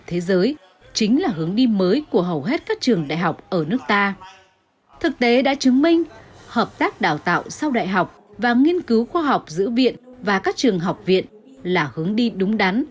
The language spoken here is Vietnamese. thực tế đã chứng minh hợp tác đào tạo sau đại học và nghiên cứu khoa học giữa viện và các trường học viện là hướng đi đúng đắn